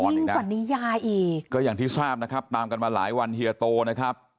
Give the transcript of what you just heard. ยิ่งกว่านิยายอีกก็อย่างที่ทราบนะครับตามกันมาหลายวันเฮียโตนะครับ